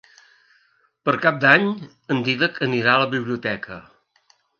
Per Cap d'Any en Dídac anirà a la biblioteca.